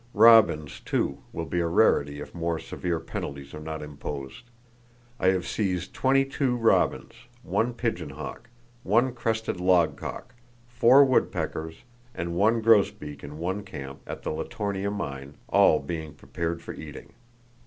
Robins, too, will be a rarity if more severe penalties are not imposed. I have seized 22 robins, 1 pigeon hawk, 1 crested log cock, 4 woodpeckers and 1 grosbeak in one camp, at the Lertonia mine, all being prepared for eating.